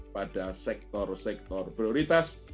pada sektor sektor prioritas